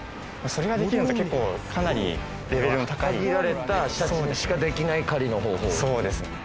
それができるのって結構かなりレベルの高い限られたシャチにしかできない狩りの方法そうですね